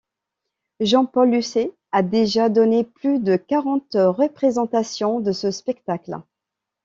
Jean-Paul Lucet a déjà donné plus de quarante représentations de ce spectacle.